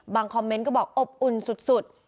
คอมเมนต์ก็บอกอบอุ่นสุด